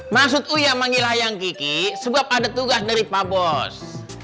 maksud uya manggil ayang kiki sebab ada tugas dari pak bos